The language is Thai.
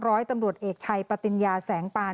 ร้อยตำรวจเอกชัยปติญญาแสงปาน